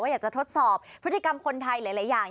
อยากจะทดสอบพฤติกรรมคนไทยหลายอย่าง